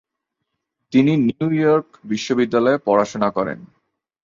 তিনি New York বিশ্ববিদ্যালয়ে পড়াশোনা করেন।